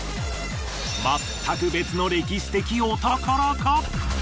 まったく別の歴史的お宝か？